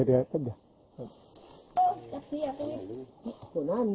เหลืองเท้าอย่างนั้น